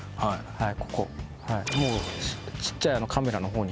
はい。